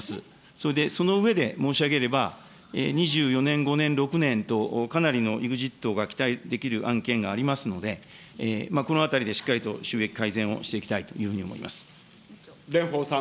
それで、そのうえで申し上げれば、２４年、５年、６年と、かなりのイグジットが期待できる案件がありますので、このあたりでしっかりと収益改善をしていきたいというふうに思い蓮舫さん。